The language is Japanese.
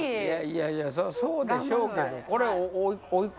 いやいやそうでしょうけど。